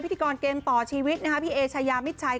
พิธีกรเกมต่อชีวิตนะคะพี่เอชายามิดชัย